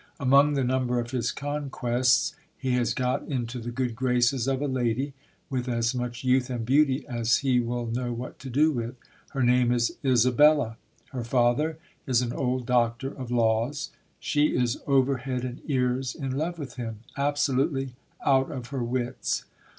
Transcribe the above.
Among the number of his conquests, he has got into the good graces of a lady, with as much youth and beauty as he will know what to do with. Her name is Isabella. Her father is an old doctor of laws. She is over head and ears in love with him ; absolutely out of her wits